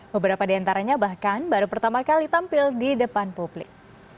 beberapa di antaranya bahkan baru pertama kali tampil di depan publik